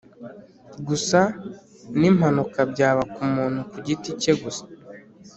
Gusa n impanuka byaba ku muntu ku giti cye gusa